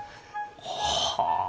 はあ。